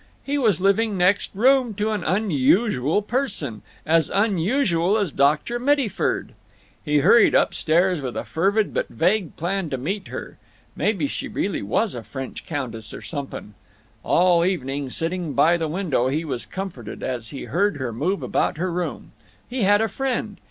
He was living next room to an unusual person—as unusual as Dr. Mittyford. He hurried up stairs with a fervid but vague plan to meet her. Maybe she really was a French countess or somepun'. All evening, sitting by the window, he was comforted as he heard her move about her room. He had a friend.